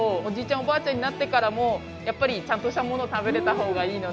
おばあちゃんになってからもやっぱりちゃんとしたもの食べれた方がいいので。